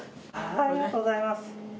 ありがとうございます！